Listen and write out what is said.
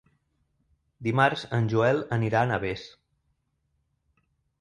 Dimarts en Joel anirà a Navès.